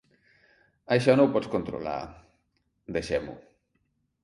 Això no ho pots controlar… deixem-ho.